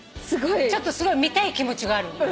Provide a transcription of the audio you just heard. ちょっとすごい見たい気持ちがある。